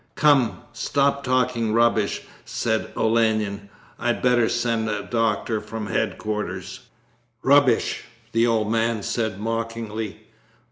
'Come, stop talking rubbish,' said Olenin. 'I'd better send a doctor from head quarters.' 'Rubbish!' the old man said mockingly.